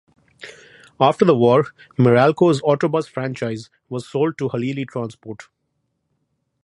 After the war, Meralco's autobus franchise was sold to Halili Transport.